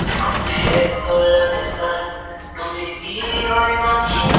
En el Mediterráneo se les denomina cangrejo araña.